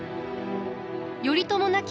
頼朝亡き